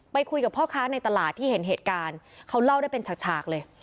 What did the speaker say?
คุยกับพ่อค้าในตลาดที่เห็นเหตุการณ์เขาเล่าได้เป็นฉากเลย